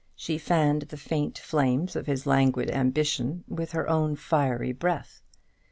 She fanned the faint flames of his languid ambition with her own fiery breath.